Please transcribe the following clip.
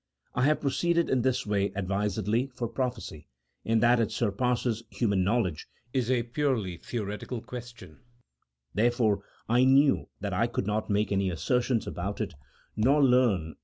I have proceeded in this way ad visedly, for prophecy, in that it surpasses human know ledge, is a purely theological question ; therefore, I knew that I could not make any assertions about it, nor learn 96 A THEOLOGICO POLITICAL TREATISE. [CHAP.